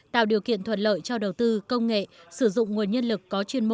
tạo điều kiện thuận lợi cho đầu tư công nghệ sử dụng nguồn nhân lực có chuyên môn